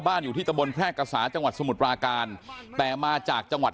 อยู่ที่ตะบนแพร่กษาจังหวัดสมุทรปราการแต่มาจากจังหวัด